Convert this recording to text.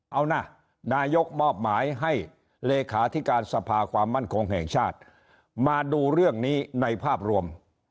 เอานะนายกมอบหมายให้เลขาธิการสภาความมั่นคงแห่งชาติมาดูเรื่องนี้ในภาพรวม